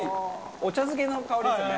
お茶漬けの香りですよね。